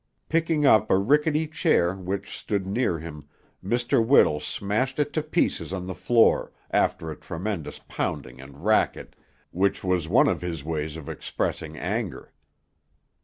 Picking up a rickety chair which stood near him, Mr. Whittle smashed it to pieces on the floor, after a tremendous pounding and racket, which was one of his ways of expressing anger.